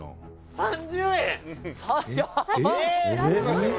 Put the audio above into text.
「３０円！？